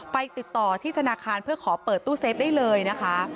ไปติดต่อที่ธนาคารเพื่อขอเปิดตู้เซฟได้เลยนะคะ